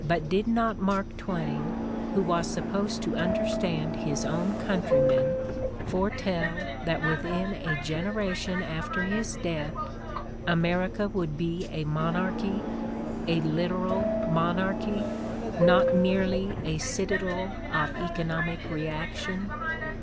But did not Mark Twain, who was supposed to understand his own countrymen, foretell that within a generation after his death America would be a monarchy, a literal monarchy, not merely a citadel of economic reaction?